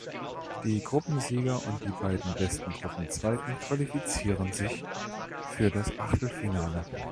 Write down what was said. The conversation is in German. Die Gruppensieger und die beiden besten Gruppenzweiten qualifizieren sich für das Achtelfinale.